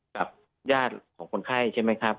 กับญาติของคนไข้ใช่ไหมครับ